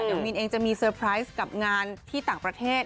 เดี๋ยวมินเองจะมีเซอร์ไพรส์กับงานที่ต่างประเทศ